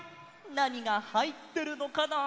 なにがはいってるのかな？